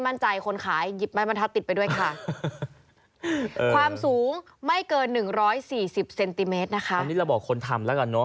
อันนี้เราบอกคนทำแล้วกันเนอะ